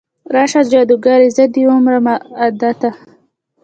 راشه جادوګرې، زه دې ومرمه ادا ته